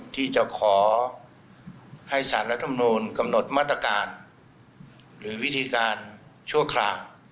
ที่จะขอให้สารรัฐมนูลกำหนดมาตรการหรือวิธีการชั่วคราว